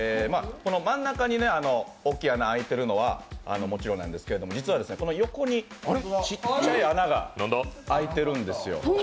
真ん中に大きい穴が開いているのはもちろんですけれども、実は横にちっちゃい穴が開いているんですよ。